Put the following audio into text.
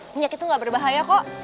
minyak itu nggak berbahaya kok